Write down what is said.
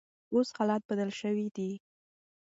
اوس حالات بدل شوي دي.